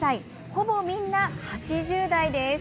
ほぼみんな８０代です。